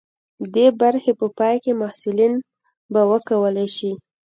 د دې برخې په پای کې محصلین به وکولی شي.